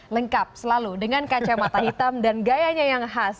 lengkap selalu dengan kacamata hitam dan gayanya yang khas